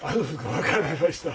分かりましたはい。